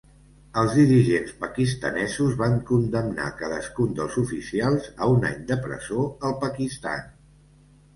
Els dirigents pakistanesos van condemnar cadascun dels oficials a un any de presó al Pakistan.